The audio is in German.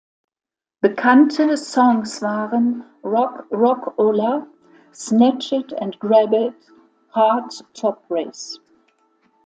Bekannte Songs waren „Rock Rock-Ola“, „Snatch It And Grab It“, „Hard Top Race“.